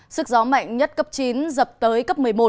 sức gió mạnh nhất cấp chín dập tới cấp một mươi một